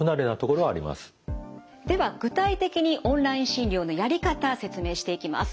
では具体的にオンライン診療のやり方説明していきます。